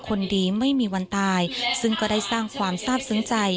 คนดีไม่มีวันตายซึ่งก็ได้สร้างความทราบซึ้งใจ